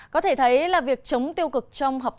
có thể thấy là việc chống tiêu cực trong học hộ thi hộ